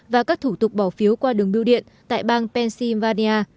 và các thủ tục bỏ phiếu qua đường bưu điện tại bang pennsylvania